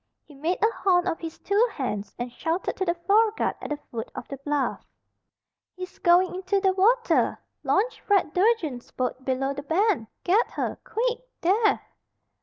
He made a horn of his two hands and shouted to the foreguard at the foot of the bluff: "He's going into the water! Launch Fred Durgin's boat below the bend! Get her! Quick, there!"